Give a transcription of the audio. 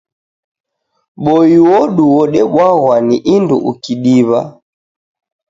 Boi odu odebwaghwa ni indu ukidiwa